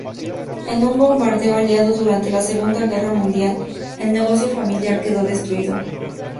En un bombardeo aliado durante la Segunda Guerra Mundial, el negocio familiar quedó destruido.